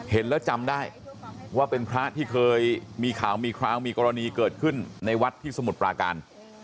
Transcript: เห็นแล้วจำได้ว่าเป็นพระที่เคยมีข่าวมีคราวมีกรณีเกิดขึ้นในวัดที่สมุทรปราการ